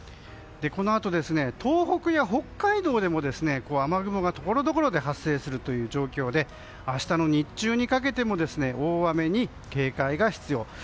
このあと、東北や北海道でも雨雲がところどころで発生する状況で明日の日中にかけても大雨に警戒が必要。